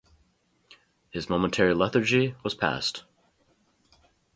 His momentary lethargy was past.